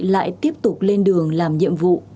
lại tiếp tục lên đường làm nhiệm vụ